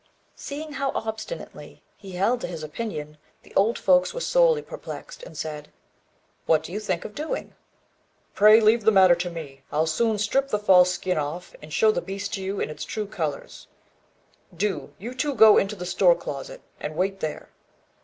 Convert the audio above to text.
Seeing how obstinately he held to his opinion, the old folks were sorely perplexed, and said "What do you think of doing?" "Pray leave the matter to me: I'll soon strip the false skin off, and show the beast to you in its true colours. Do you two go into the store closet, and wait there."